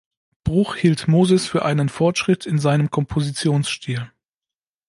Bruch hielt "Moses" für einen Fortschritt in seinem Kompositionsstil.